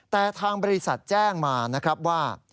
แต่ทางบริษัทแจ้งมานะครับว่า